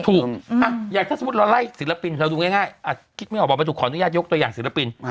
อย่างถ้าสมมุติเราไล่ศิลปินเราดูง่ายอาจคิดไม่ออกบอกไม่ถูกขออนุญาตยกตัวอย่างศิลปิน